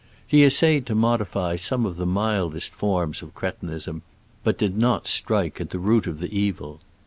He essayed to modify some of the mildest forms of cretinism, but did not strike at the root of the evil.